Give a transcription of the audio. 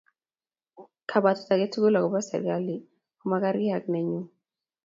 kabwatet agetugul akobo serikalit ko makargei ak nenyu